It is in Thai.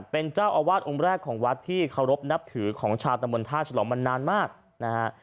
เป็นเจ้าอาวาสองค์แรกของวัดที่เคารพนับถือของชาวตะมนต์ท่าฉลองมานานมากนะฮะ